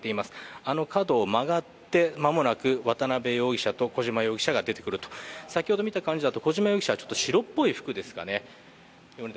あの角を曲がって間もなく渡辺容疑者と小島容疑者が出てくる、先ほど見た限りだと小島容疑者は白っぽい服ですかね。